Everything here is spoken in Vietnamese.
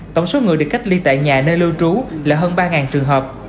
tổng số người được cách ly tại nhà nơi lưu trú là hơn ba trường hợp